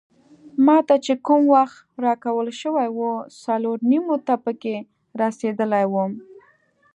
ما ته چې کوم وخت راکول شوی وو څلور نیمو ته پکې رسیدلی وم.